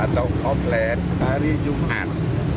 atau offline hari jumat